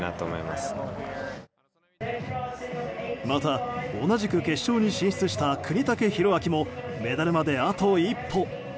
また、同じく決勝に進出した國武大晃もメダルまであと一歩。